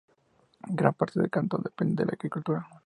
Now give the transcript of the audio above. Gran parte del cantón depende de la agricultura.